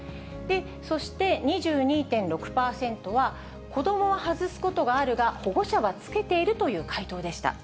そして２２．６％は、子どもは外すことがあるが、保護者は着けているという回答でした。